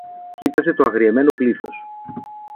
κοίταζε το αγριεμένο πλήθος.